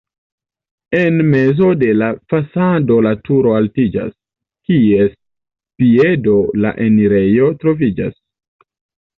En mezo de la fasado la turo altiĝas, kies piedo la enirejo troviĝas.